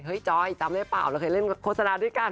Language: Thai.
จอยจำได้เปล่าเราเคยเล่นโฆษณาด้วยกัน